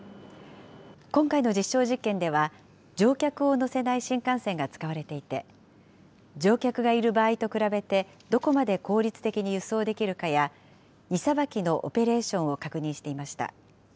今回の実証実験では、乗客を乗せない新幹線が使われていて、乗客がいる場合と比べて、どこまで効率的に輸送できるかや、荷さばきのオペレーションを確認していました。